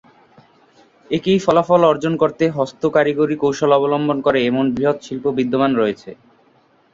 একই ফলাফল অর্জন করতে হস্ত কারিগরি কৌশল অবলম্বন করে এমন বৃহৎ শিল্প বিদ্যমান রয়েছে।